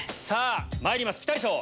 まいりますピタリ賞。